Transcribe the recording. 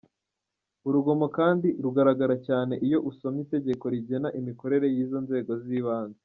Urugomo kandi rugaragara cyane iyo usomye Itegeko rigena imikorere y’izo nzego z’ibanze.